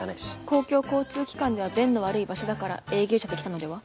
公共交通機関では便の悪い場所だから営業車で来たのでは？